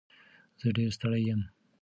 زه ډېر ستړی یم.